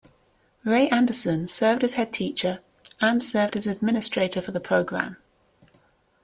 Ray Anderson served as Head Teacher and served as administrator for the program.